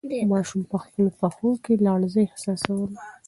ماشوم په خپلو پښو کې لړزه احساسوله.